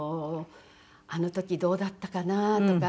あの時どうだったかなとか。